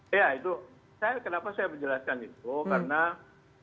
ya itu kenapa saya menjelaskan itu karena